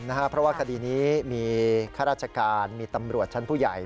เพราะว่าคดีนี้มีข้าราชการมีตำรวจชั้นผู้ใหญ่